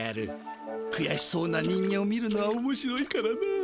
くやしそうな人間を見るのはおもしろいからな」。